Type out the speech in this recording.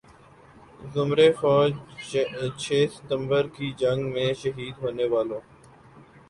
ذمرہ فوج چھ ستمبر کی جنگ میں شہید ہونے والوں